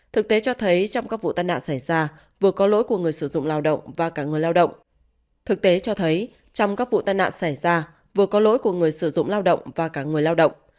thực tế cho thấy trong các vụ tai nạn xảy ra vừa có lỗi của người sử dụng lao động và cả người lao động